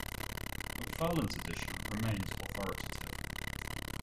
McFarlane's edition remains authoritative.